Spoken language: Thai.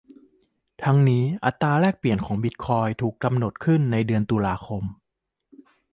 ทั้งนี้ อัตราแลกเปลี่ยนแรกของบิตคอยน์ถูกกำหนดขึ้นในเดือนตุลาคม